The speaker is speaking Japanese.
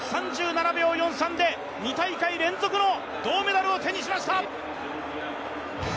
３７秒４３で２大会連続の銅メダルを手にしました。